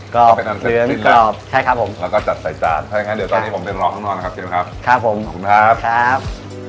ขอบคุณครับ